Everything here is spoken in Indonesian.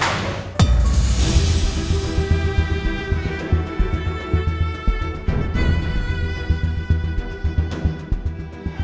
jadi dia pergi